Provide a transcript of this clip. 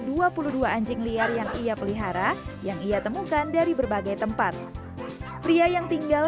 dua puluh dua anjing liar yang ia pelihara yang ia temukan dari berbagai tempat pria yang tinggal